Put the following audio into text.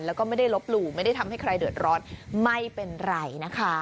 แล้วก็ไม่ได้ลบหลู่ไม่ได้ทำให้ใครเดือดร้อนไม่เป็นไรนะคะ